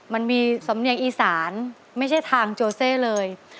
มันมีสำเนียงอีสานไม่ใช่ทางโจเซเลย